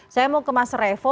saya mau ke mas revo